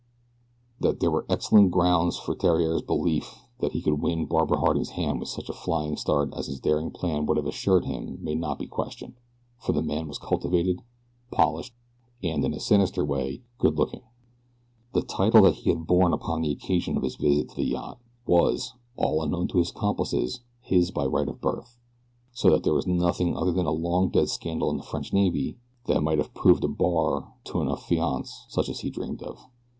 That there were excellent grounds for Theriere's belief that he could win Barbara Harding's hand with such a flying start as his daring plan would have assured him may not be questioned, for the man was cultivated, polished and, in a sinister way, good looking. The title that he had borne upon the occasion of his visit to the yacht, was, all unknown to his accomplices, his by right of birth, so that there was nothing other than a long dead scandal in the French Navy that might have proved a bar to an affiance such as he dreamed of.